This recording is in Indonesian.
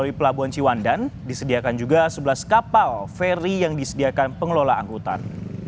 buffer zone tambahan yang digunakan untuk tempat parkir pemudik roda dua tampak sesak dipenuhi oleh kendaraan